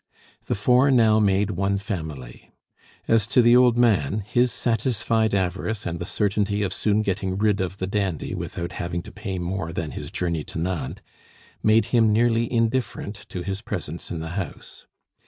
The four now made one family. As to the old man, his satisfied avarice and the certainty of soon getting rid of the dandy without having to pay more than his journey to Nantes, made him nearly indifferent to his presence in the house.